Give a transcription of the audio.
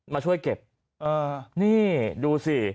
มาช่วยเก็บนี่ดูสิ